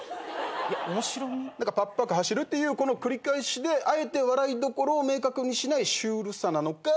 「パッパカはしる」っていうこの繰り返しであえて笑いどころを明確にしないシュールさなのか。